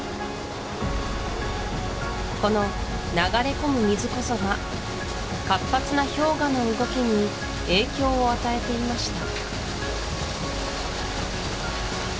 この流れ込む水こそが活発な氷河の動きに影響を与えていました